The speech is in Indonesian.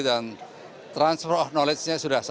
dan transfer of knowledge nya sudah selesai